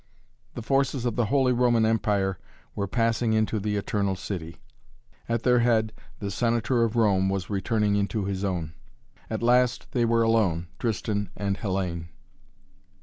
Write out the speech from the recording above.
The forces of the Holy Roman Empire were passing into the Eternal City. At their head the Senator of Rome was returning into his own. At last they were alone, Tristan and Hellayne.